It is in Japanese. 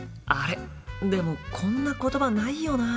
でもこんな言葉ないよな。